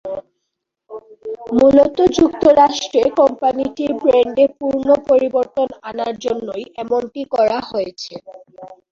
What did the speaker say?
মূলত যুক্তরাষ্ট্রে কোম্পানিটির ব্র্যান্ডে পূর্ণ পরিবর্তন আনার জন্যই এমনটি করা হয়েছে।